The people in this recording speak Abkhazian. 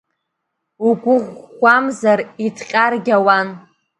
Угәы ӷәӷәамзар иҭҟьаргьы ауан.